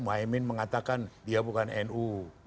mohaimin mengatakan dia bukan nu